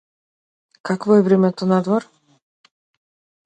Какво е времето надвор?